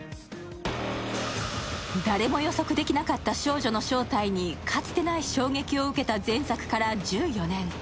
誰も予測できなかった少女の正体にかつてない衝撃を受けた前作から１４年。